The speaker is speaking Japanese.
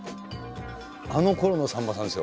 あのころのさんまさんですよ。